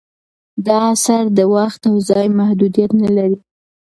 دا اثر د وخت او ځای محدودیت نه لري.